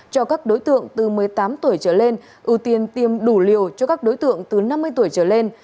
cho các đối tượng từ một mươi tám tuổi trở lên ưu tiên tiêm đủ liều cho các đối tượng từ năm mươi tuổi trở lên